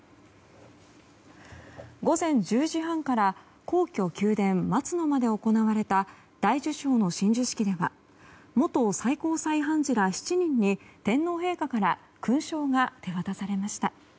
午前１０時半から皇居・宮殿、松の間で行われた大綬章の親授式では元最高裁判事ら７人に天皇陛下から勲章が手渡されました。